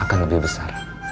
akan lebih besar